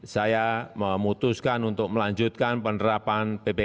saya memutuskan untuk melanjutkan penerapan ppkm level empat